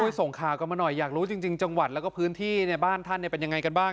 ส่งข่าวกันมาหน่อยอยากรู้จริงจังหวัดแล้วก็พื้นที่ในบ้านท่านเป็นยังไงกันบ้าง